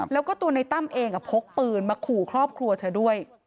แล้วก็ตัวในตั้มเองพกปืนมาขู่ครอบครัวเธอด้วย